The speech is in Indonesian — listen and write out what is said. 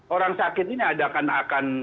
orang sakit ini adakan akan